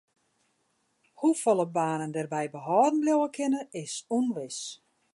Hoefolle banen dêrby behâlden bliuwe kinne is ûnwis.